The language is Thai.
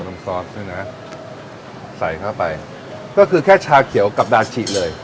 ตัวน้ำซอสซึ่งนะใส่เข้าไปก็คือแค่ชาเขียวกับดาชิเลย